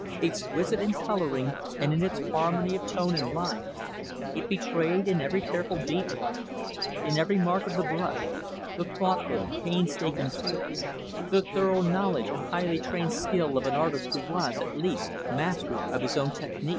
Exquisite in coloring and in its harmony of tone and line, it betrayed in every careful detail in every mark of the brush the thoughtful, painstaking care the thorough knowledge and highly trained skill of an artist who was, at least, master of his own technic.